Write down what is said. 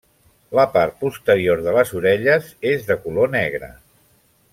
La part posterior de les orelles és de color negre.